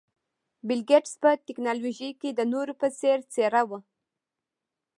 بل ګېټس په ټکنالوژۍ کې د نورو په څېر څېره وه.